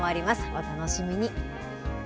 お楽しみに。